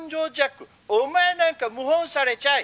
お前なんか謀反されちゃえ！